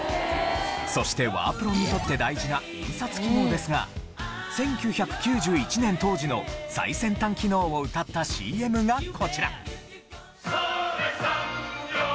そしてワープロにとって大事な印刷機能ですが１９９１年当時の最先端機能を謳ったＣＭがこちら！